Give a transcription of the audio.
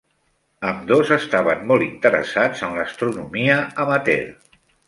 Ambdós estaven molt interessats en l'astronomia amateur.